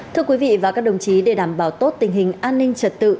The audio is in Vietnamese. thưa quý vị và các đồng chí để đảm bảo tốt tình hình an ninh trật tự